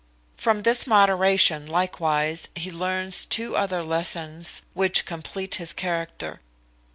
From this moderation, likewise, he learns two other lessons, which complete his character.